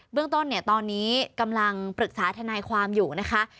เรื่องต้นเนี่ยตอนนี้กำลังปรึกษาทนายความอยู่นะคะ